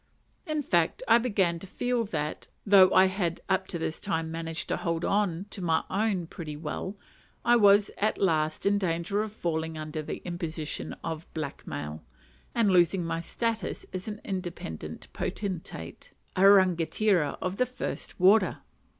In fact I began to feel that, though I had up to this time managed to hold my own pretty well, I was at last in danger of falling under the imposition of "black mail," and losing my status as an independent potentate a rangatira of the first water.